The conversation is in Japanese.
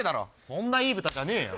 そんないい豚じゃねえよ！